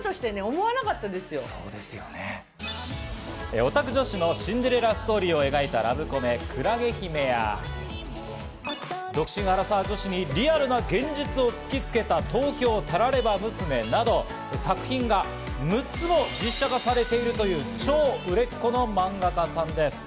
オタク女子のシンデレラストーリーを描いたラブコメ『海月姫』や、独身アラサー女子をリアルな現実を突きつけた『東京タラレバ娘』など、作品が６つも実写化されているという超売れっ子の漫画家さんなんです。